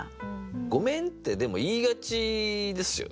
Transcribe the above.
「ごめん」ってでも言いがちですよね。